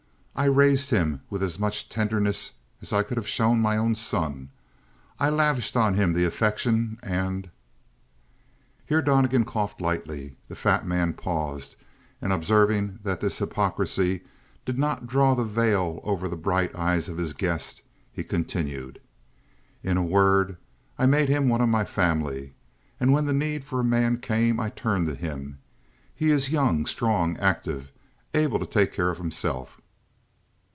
I raised him with as much tenderness as I could have shown my own son; I lavished on him the affection and " Here Donnegan coughed lightly; the fat man paused, and observing that this hypocrisy did not draw the veil over the bright eyes of his guest, he continued: "In a word, I made him one of my family. And when the need for a man came I turned to him. He is young, strong, active, able to take care of himself."